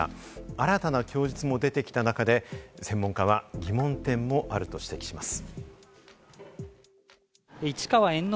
新たな供述も出てきた中で専門家は疑問点もあると指摘します。